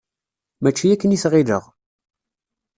Mačči akken i t-ɣilleɣ.